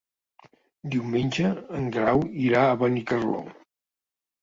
Diumenge en Grau irà a Benicarló.